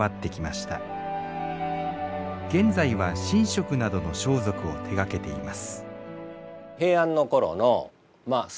現在は神職などの装束を手がけています